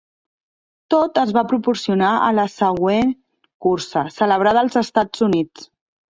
Tot es va proporcionar a la següent cursa, celebrada als Estats Units.